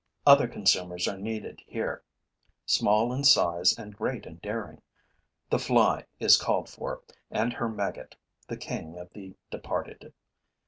Other consumers are needed here, small in size and great in daring; the fly is called for and her maggot, the king of the departed.